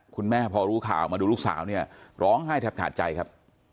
คุณแม่พอรู้ข่าวมาดูลูกสาวเนี่ยร้องไห้แทบขาดใจครับ